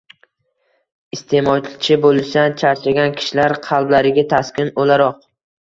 Iste’molchi bo‘lishdan charchagan kishilar qalblariga taskin o‘laroq